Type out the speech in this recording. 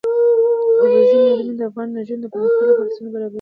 اوبزین معدنونه د افغان نجونو د پرمختګ لپاره فرصتونه برابروي.